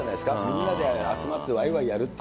みんなで集まってわいわいやるっ